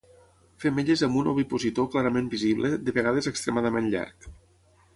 Femelles amb un ovipositor clarament visible, de vegades extremadament llarg.